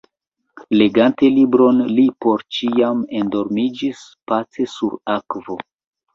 Legante libron li por ĉiam endormiĝis – pace sur akvo.